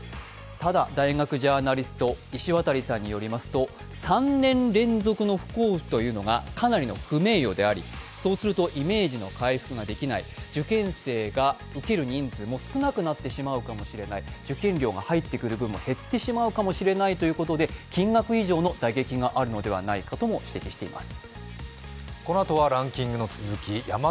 ただ、大学ジャーナリスト、石渡さんによりますと３年連続の不交付というのがかなりの不名誉でありそうするとイメージの回復ができない、受験生の人数も少なくなってしまうかもしれない、受験料が入ってくる分も減ってしまうかもしれないということで、金額以上の打撃があるのではないかとも指摘しています。